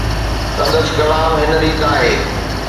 سندس ڪلام هن ريت آهي.